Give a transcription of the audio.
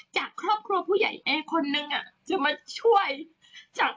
จากครอบครัวผู้ใหญ่แอคนหนึ่งจะมาช่วยคนในหมู่บ้านมันเป็นไปไม่ได้